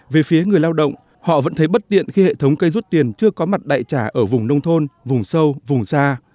về phía người lao động họ vẫn thấy bất tiện khi hệ thống cây rút tiền chưa có mặt đại trả ở vùng nông thôn vùng sâu vùng xa